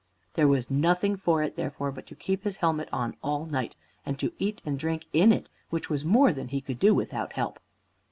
There was nothing for it, therefore, but to keep his helmet on all night, and to eat and drink in it, which was more than he could do without help.